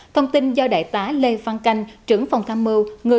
thông tin do đại tá lê phan canh trưởng phòng tham mưu